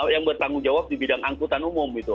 yang bertanggung jawab di bidang angkutan umum gitu